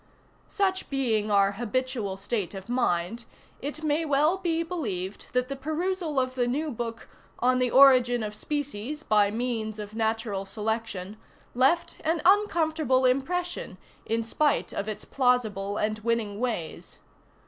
Such being our habitual state of mind, it may well be believed that the perusal of the new book "On the Origin of Species by Means of Natural Selection" left an uncomfortable impression, in spite of its plausible and winning ways.